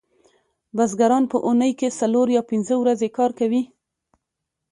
بزګران په اونۍ کې څلور یا پنځه ورځې کار کوي